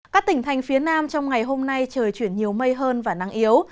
các tỉnh thành phía nam trong ngày hôm nay trời chuyển nhiều mây hơn và nắng yếu